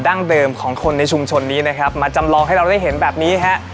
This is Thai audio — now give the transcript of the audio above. ดั้งเดิมของคนในชุมชนนี้นะครับมาจำลองให้เราได้เห็นแบบนี้ฮะ